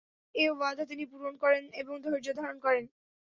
এ ওয়াদা তিনি পূরণও করেন এবং ধৈর্যধারণ করেন।